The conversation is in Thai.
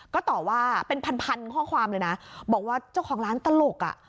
ก็ต่อว่าเป็นพันพันข้อความเลยนะบอกว่าเจ้าของร้านตลกอ่ะ